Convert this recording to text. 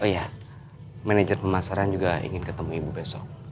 oh iya manajer pemasaran juga ingin ketemu ibu besok